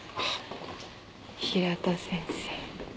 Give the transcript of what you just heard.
平田先生。